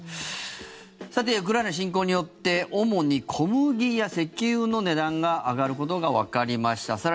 さて、ウクライナ侵攻によって主に小麦や石油の値段が上がることがわかりました。